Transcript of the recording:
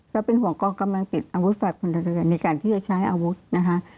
เราเป็นห่วงกองกำลังติดอาวุธฝ่ายพลทหารเรือในการที่จะใช้อาวุธนะคะ